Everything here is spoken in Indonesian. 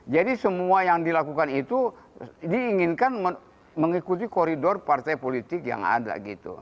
jadi semua yang dilakukan itu diinginkan mengikuti koridor partai politik yang ada